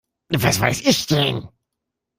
Was weiß ich denn?